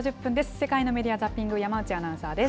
世界のメディア・ザッピング、山内アナウンサーです。